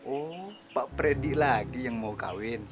oh pak freddy lagi yang mau kawin